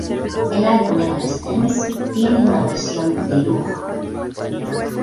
El álbum "Evanescence" tiene una versión "De Lujo".